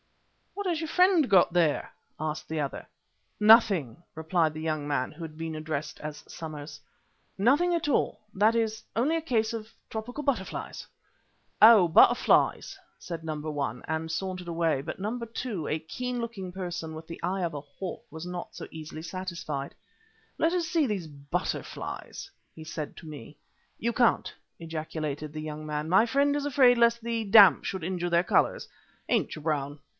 "What has your friend got there?" asked the other. "Nothing," replied the young man who had been addressed as Somers, "nothing at all; that is only a case of tropical butterflies." "Oh! butterflies," said No. 1 and sauntered away. But No. 2, a keen looking person with the eye of a hawk, was not so easily satisfied. "Let us see these butterflies," he said to me. "You can't," ejaculated the young man. "My friend is afraid lest the damp should injure their colours. Ain't you, Brown?"